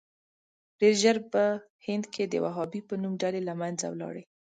ډېر ژر په هند کې د وهابي په نوم ډلې له منځه ولاړې.